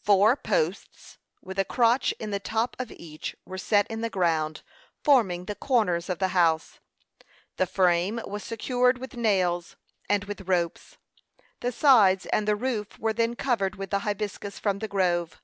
Four posts, with a crotch in the top of each, were set in the ground, forming the corners of the house. The frame was secured with nails and with ropes. The sides and the roof were then covered with the hibiscus from the grove.